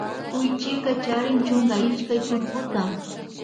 Kuychika chrin chunka ishkay tullputa